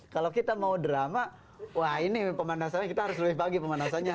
kalau kita mau drama wah ini pemanasannya kita harus lebih bagi pemanasannya